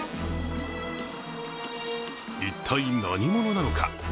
一体、何者なのか。